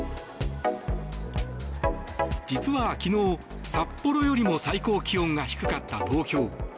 実は昨日、札幌よりも最高気温が低かった東京。